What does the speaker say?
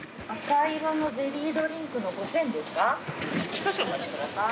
少々お待ちください。